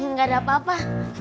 gak ada apa apa